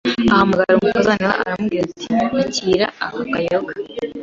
Ahamagara umukazana we aramubwira ati Akira akayoga